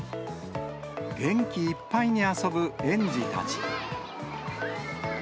元気いっぱいに遊ぶ園児たち。